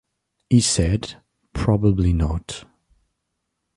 He said: Probably not.